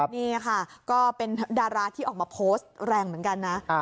นี่ค่ะก็เป็นดาราที่ออกมาโพสต์แรงเหมือนกันนะ